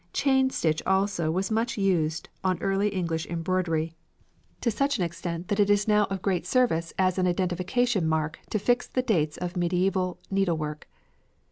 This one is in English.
Chain stitch also was much used on early English embroidery; to such an extent that it is now of great service as an identification mark to fix the dates of medieval needlework.